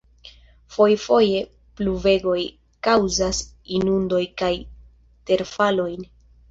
Fojfoje pluvegoj kaŭzas inundojn kaj terfalojn.